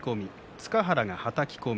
塚原がはたき込み。